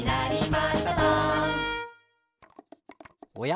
おや？